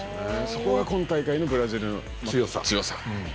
そこが今大会のブラジルの強さ。